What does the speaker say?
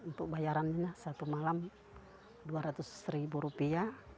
untuk bayarannya satu malam dua ratus ribu rupiah